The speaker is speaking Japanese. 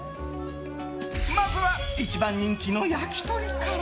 まずは一番人気の焼き鳥から。